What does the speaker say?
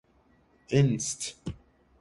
Inst.